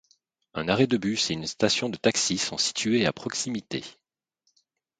Une arrêt de bus et une station de taxis sont situés à proximité.